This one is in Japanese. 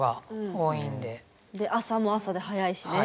で朝も朝で早いしね。